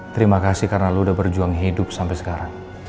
terima kasih karena lu udah berjuang hidup sampai sekarang